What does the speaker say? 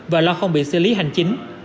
và lo không bị xử lý hành chính